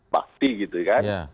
bakti gitu kan